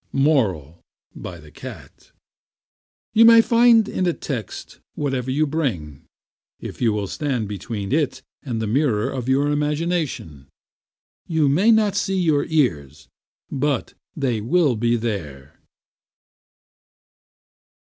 MORAL, BY THE CAT You can find in a text whatever you bring, if you will stand between it and the mirror of your imagination. You may not see your ears, but they will be there.